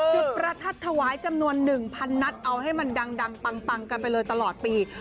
ประทัดถวายจำนวน๑๐๐นัดเอาให้มันดังปังกันไปเลยตลอดปี